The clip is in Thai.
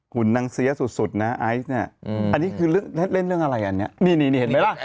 คุณนางเสียสุดนะไอซ์เนี่ยอันนี้คือเล่นเรื่องอะไรอันนี้นี่เห็นไหมล่ะ